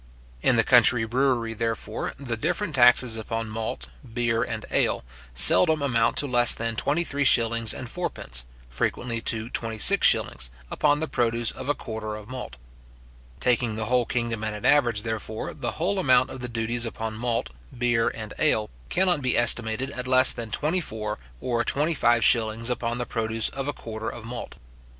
In the country brewery, therefore, the different taxes upon malt, beer, and ale, seldom amount to less than twenty three shillings and fourpence, frequently to twenty six shillings, upon the produce of a quarter of malt. Taking the whole kingdom at an average, therefore, the whole amount of the duties upon malt, beer, and ale, cannot be estimated at less than twenty four or twenty five shillings upon the produce of a quarter of malt.